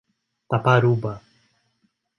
Taparuba